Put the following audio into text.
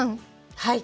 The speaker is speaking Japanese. はい。